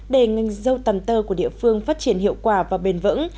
để ngành dâu tầm tơ của địa phương phát triển hiệu quả và bền vững